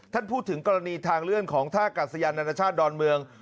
ท่านพูดถึงกรณีทางเลื่อนของท่ากาศยานานาชาติดอนเมือง